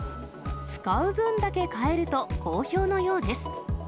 使う分だけ買えると、好評のようです。